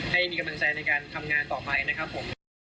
ให้มีกำลังใจในการทำงานต่อไปนะครับผม